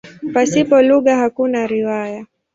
Pasipo lugha hakuna riwaya.